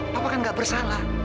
papa kan gak bersalah